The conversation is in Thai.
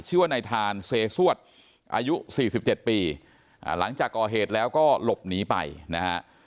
ชื่อว่านายทานเซซวดอายุ๔๗ปีหลังจากก่อเหตุแล้วก็หลบหนีไปนะฮะ